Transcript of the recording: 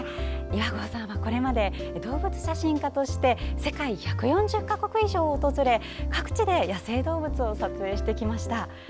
岩合さんはこれまで動物写真家として世界１４０か国以上を訪れ各地で野生動物を撮影してきました。